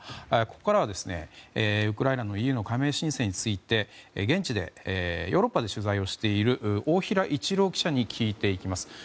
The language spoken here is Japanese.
ここからは、ウクライナのＥＵ加盟申請について現地ヨーロッパで取材をしている大平一郎記者に聞いていきます。